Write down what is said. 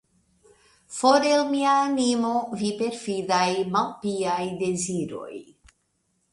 For el mia animo, vi perfidaj, malpiaj, deziroj!